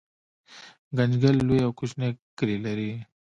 ګنجګل لوی او کوچني کلي لري